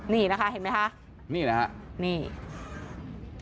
นี่นะคะเห็นไหมคะนี่นะครับนี่